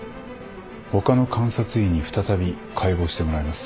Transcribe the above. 他の監察医に再び解剖してもらいます。